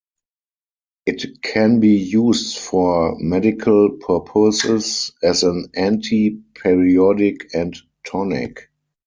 It can be used for medical purposes as an anti-periodic and tonic.